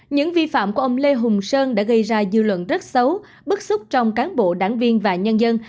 những vi phạm của ông lê hùng sơn đã gây ra dư luận rất xấu bức xúc trong cán bộ đảng viên và nhân dân